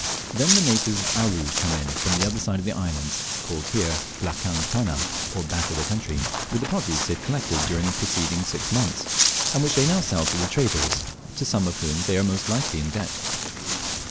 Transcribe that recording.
Then the natives of Aru come in from the other side of the islands (called here "blakang tana," or "back of the country") with the produce they have collected during the preceding six months, and which they now sell to the traders, to some of whom they are most likely in debt.